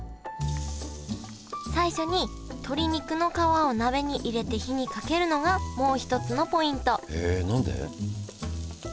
最初に鶏肉の皮を鍋に入れて火にかけるのがもう一つのポイントへえ何で？